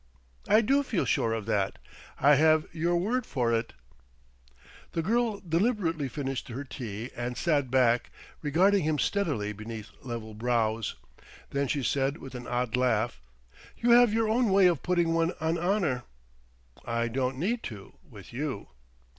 "I do feel sure of that. I have your word for it." The girl deliberately finished her tea, and sat back, regarding him steadily beneath level brows. Then she said with an odd laugh: "You have your own way of putting one on honour!" "I don't need to with you."